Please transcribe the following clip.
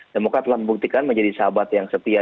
demokrat telah membuktikan menjadi sahabat yang setia